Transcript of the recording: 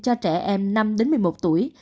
cho trẻ em năm đến một mươi một tuổi